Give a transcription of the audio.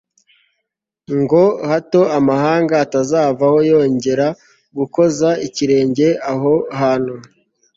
ngo hato amahanga atazavaho yongera gukoza ikirenge aho hantu